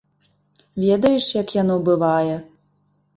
Ведаеш, як яно бывае?